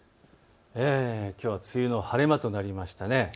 きょうは梅雨の晴れ間となりましたね。